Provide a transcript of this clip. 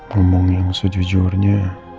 ngomong yang sejujurnya